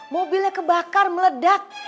mobilnya kebakar meledak